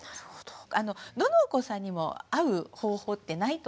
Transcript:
どのお子さんにも合う方法ってないと思うので。